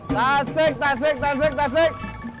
tasik tasik tasik tasik